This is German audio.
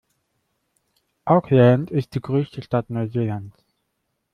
Auckland ist die größte Stadt Neuseelands.